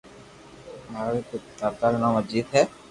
ماري پيتا رو نوم اجيت ھي